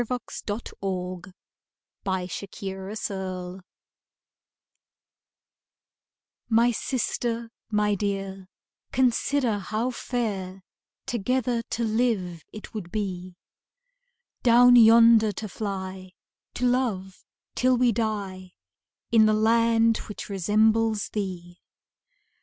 Invitation to a Journey My sister, my dear Consider how fair, Together to live it would be! Down yonder to fly To love, till we die, In the land which resembles thee.